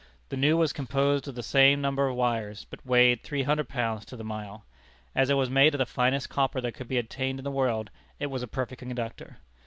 The new was composed of the same number of wires, but weighed three hundred pounds to the mile. As it was made of the finest copper that could be obtained in the world, it was a perfect conductor.